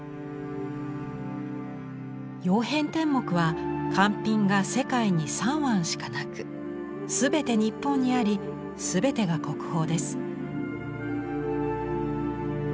「曜変天目」は完品が世界に３碗しかなく全て日本にあり全てが国宝です。